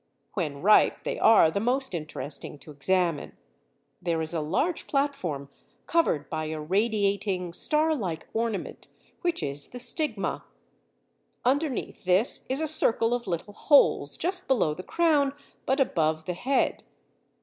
When ripe they are most interesting to examine. There is a large platform covered by a radiating star like ornament, which is the stigma. Underneath this is a circle of little holes just below the crown, but above the head.